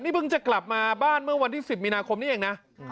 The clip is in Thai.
นี่เพิ่งจะกลับมาบ้านเมื่อวันที่๑๐มีนาคมนี้เองนะ